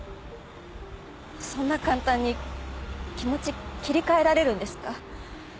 そんな簡単に気持ち切り替えられるんですか？